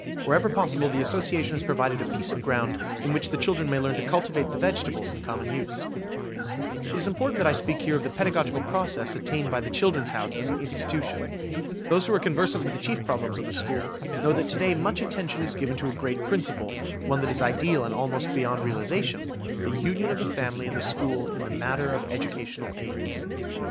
Wherever possible the Association has provided a piece of ground in which the children may learn to cultivate the vegetables in common use. It is important that I speak here of the pedagogical progress attained by the "Children's House" as an institution. Those who are conversant with the chief problems of the school know that to day much attention is given to a great principle, one that is ideal and almost beyond realisation,–the union of the family and the school in the matter of educational aims.